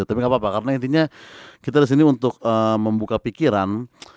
tapi gapapa karena intinya kita disini untuk membuka pikiran